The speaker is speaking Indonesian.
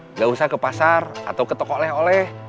nggak usah ke pasar atau ke toko oleh oleh